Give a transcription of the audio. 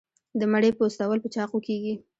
د مڼې پوستول په چاقو کیږي.